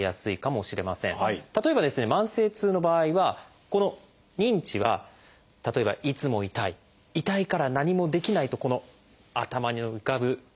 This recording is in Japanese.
例えば慢性痛の場合はこの「認知」は例えば「いつも痛い」「痛いから何もできない」と頭に浮かぶ考えですね。